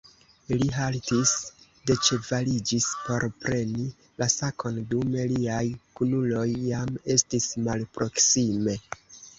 Li haltis, deĉevaliĝis por preni la sakon, dume liaj kunuloj jam estis malproksime.